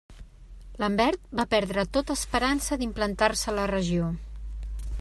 Lambert va perdre tota esperança d'implantar-se a la regió.